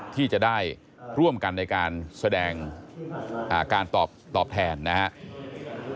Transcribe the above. ที่จะได้ร่วมกันในการแสดงการตอบแทนนะครับ